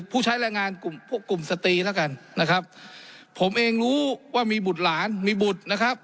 ผู้ใช้แรงงานกลุ่มพวกกลุ่มสตรีแล้วกันนะครับผมเองรู้ว่ามีบุตรหลานมีบุตรนะครับ